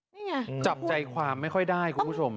นี่ไงจับใจความไม่ค่อยได้คุณผู้ชม